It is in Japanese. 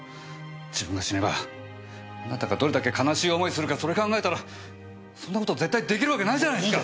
自分が死ねばあなたがどれだけ悲しい思いするかそれ考えたらそんな事絶対出来るわけないじゃないですか！